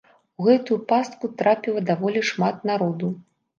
У гэтую пастку трапіла даволі шмат народу.